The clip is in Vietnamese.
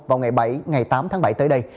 vào ngày bảy ngày tám tháng bảy tới đây